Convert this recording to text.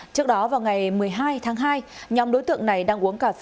trước đó vào ngày một mươi hai tháng hai nhóm đối tượng này đang uống cà phê